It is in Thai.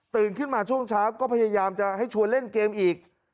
ขึ้นมาช่วงเช้าก็พยายามจะให้ชวนเล่นเกมอีก